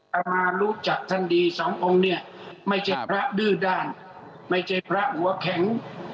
อามารู้จักท่านดีสององค์เนี่ยไม่ใช่พระดื้อด้านไม่ใช่พระหัวแข็ง